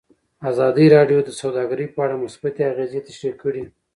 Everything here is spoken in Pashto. ازادي راډیو د سوداګري په اړه مثبت اغېزې تشریح کړي.